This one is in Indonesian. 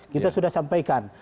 kita sudah sampaikan